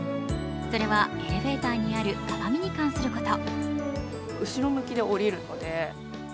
それは、エレベーターにある鏡に関すること。